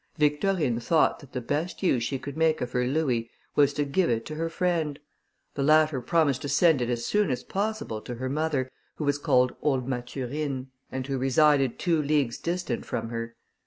Victorine thought that the best use she could make of her louis, was to give it to her friend; the latter promised to send it as soon as possible to her mother, who was called Old Mathurine, and who resided two leagues distant from her.